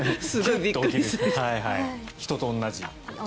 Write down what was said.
人と同じ。